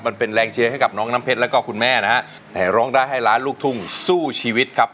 มันเป็นแรงเชียร์ให้กับน้องน้ำเพชรแล้วก็คุณแม่นะฮะแต่ร้องได้ให้ล้านลูกทุ่งสู้ชีวิตครับ